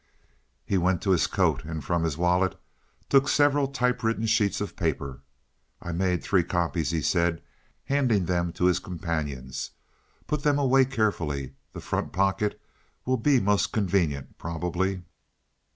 He went to his coat, and from his wallet took several typewritten sheets of paper. "I made three copies," he said, handing them to his companions. "Put them away carefully; the front pocket will be most convenient, probably.